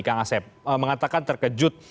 kang asep mengatakan terkejut